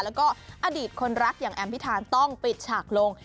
แล้วก็อดีตคนรักอย่างแอมพิธานต้องปิดฉากลง